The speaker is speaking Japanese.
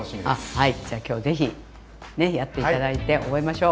はいじゃあ今日是非やって頂いて覚えましょう。